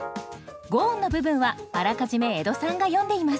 五音の部分はあらかじめ江戸さんが詠んでいます。